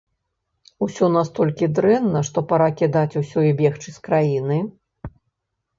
Усё настолькі дрэнна, што пара кідаць усё і бегчы з краіны?